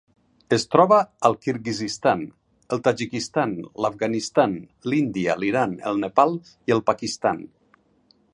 Es troba al Kirguizistan, el Tadjikistan, l'Afganistan, l'Índia, l'Iran, el Nepal i el Pakistan.